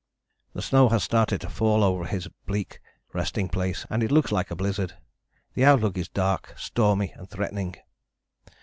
"The snow has started to fall over his bleak resting place, and it looks like a blizzard. The outlook is dark, stormy and threatening."